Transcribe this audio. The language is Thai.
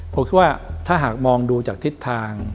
ผมคิดว่าถ้าหากมองดูจากทิศทาง